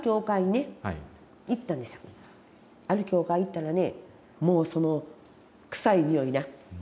ある教会行ったらねもうその臭いにおいな。